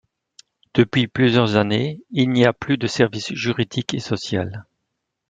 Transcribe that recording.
Depuis plusieurs années, il n'y a plus de service juridique et social.